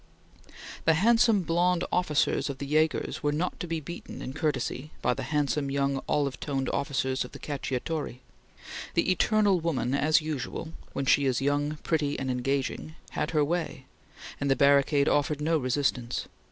The handsome blond officers of the Jagers were not to be beaten in courtesy by the handsome young olive toned officers of the Cacciatori. The eternal woman as usual, when she is young, pretty, and engaging, had her way, and the barricade offered no resistance.